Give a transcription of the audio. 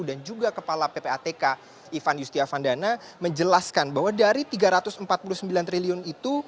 dan juga kepala ppatk ivan yustiavandana menjelaskan bahwa dari rp tiga ratus empat puluh sembilan triliun itu